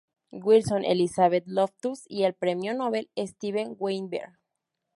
Wilson, Elizabeth Loftus y el premio Nobel Steven Weinberg.